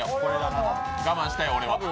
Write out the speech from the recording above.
我慢したよ、俺は。